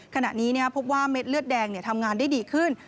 ขณะนี้พบว่าเม็ดเลือดแดงทำงานได้ดีขึ้น